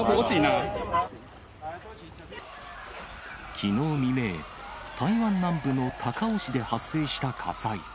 きのう未明、台湾南部の高雄市で発生した火災。